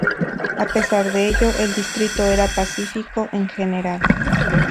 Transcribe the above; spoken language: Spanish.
A pesar de ello, el distrito era pacífico en general.